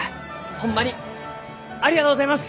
ホンマにありがとうございます！